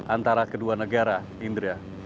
antara kedua negara indra